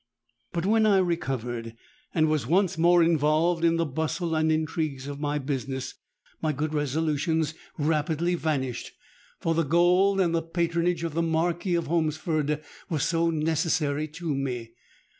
"But when I recovered, and was once more involved in the bustle and intrigues of my business, my good resolutions rapidly vanished—for the gold and the patronage of the Marquis of Holmesford were so necessary to me!